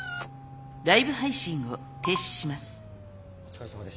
ライブ配信を停止します。